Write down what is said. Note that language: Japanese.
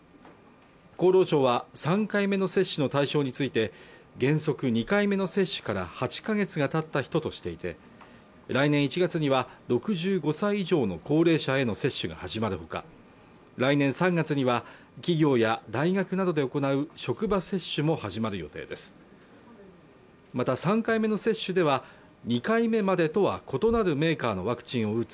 厚労省は３回目の接種の対象について原則２回目の接種から８か月がたった人としていて来年１月には６５歳以上の高齢者への接種が始まるほか来年３月には企業や大学などで行う職場接種も始まる予定ですまた３回目の接種では２回目までとは異なるメーカーのワクチンを打つ